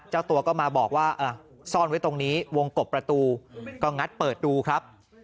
เจ้าตัวก็มาบอกว่าซ่อนไว้ตรงนี้วงกบประตูก็งัดเปิดดูครับ